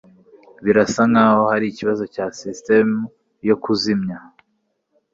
Birasa nkaho hari ikibazo cya sisitemu yo kuzimya